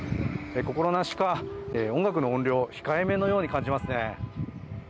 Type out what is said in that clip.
心なしか、音楽の音量、控えめのように感じますね。